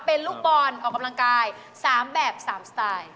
เป็นลูกบอลออกกำลังกาย๓แบบ๓สไตล์